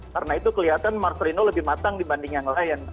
karena itu kelihatan marcelino lebih matang dibanding yang lain